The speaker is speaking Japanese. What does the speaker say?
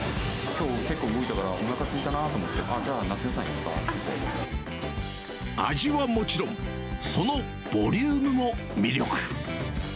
きょう、結構動いたから、おなかすいたなと思って、じゃあ、味はもちろん、そのボリュームも魅力。